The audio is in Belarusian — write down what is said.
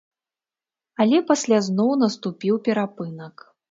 Але пасля зноў наступіў перапынак.